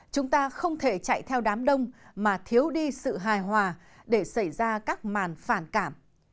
chúng ta không thể chạy theo đám đông mà thiếu đi sự hài hòa để xảy ra các màn phản cảm